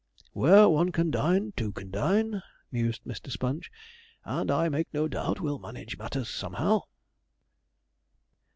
'Where one can dine, two can dine,' mused Mr. Sponge; 'and I make no doubt we'll manage matters somehow.'